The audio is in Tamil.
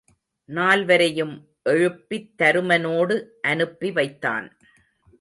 நால்வரையும் எழுப்பித் தருமனோடு அனுப்பி வைத்தான்.